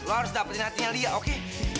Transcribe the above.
lo harus dapatin hatinya lia oke